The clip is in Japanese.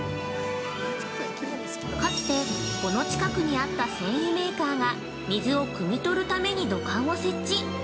◆かつて、この近くにあった繊維メーカーが水をくみ取るために土管を設置。